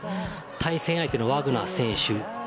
対戦相手のワグナー選手